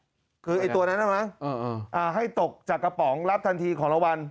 คืออะไรอ่ะคือไอ้ตัวนั้นนะครับนะอ่าให้ตกจากกระป๋องรับทันทีของระวัล